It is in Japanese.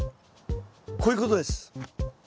こういうことです。